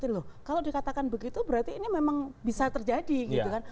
loh kalau dikatakan begitu berarti ini memang bisa terjadi gitu kan